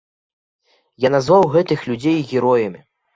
Я назваў гэтых людзей героямі.